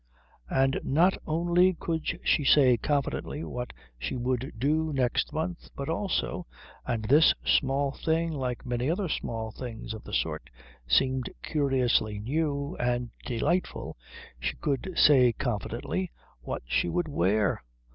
And not only could she say confidently what she would do next month, but also, and this small thing like many other small things of the sort seemed curiously new and delightful, she could say confidently what she would wear.